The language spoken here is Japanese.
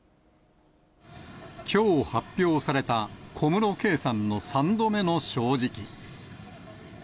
きょう発表された小室圭さんの３度目の正直。